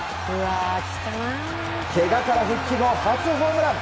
けがから復帰後初ホームラン！